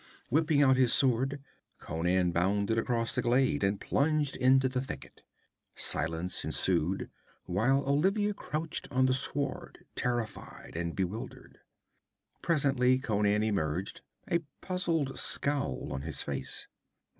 Whipping out his sword, Conan bounded across the glade and plunged into the thicket. Silence ensued, while Olivia crouched on the sward, terrified and bewildered. Presently Conan emerged, a puzzled scowl on his face.